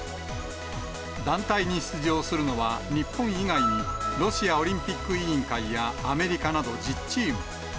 団体に出場するのは、日本以外にロシアオリンピック委員会やアメリカなど１０チーム。